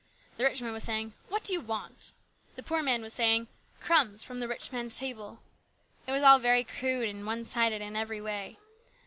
The rich man was saying, " What do you want ?" The poor man was saying, " Crumbs from the rich man's table." It was all very crude and one sided in every way.